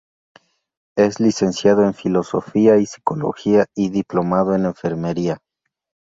Es licenciado en Filosofía y Psicología y Diplomado en Enfermería.